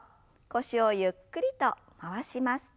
腰をゆっくりと回します。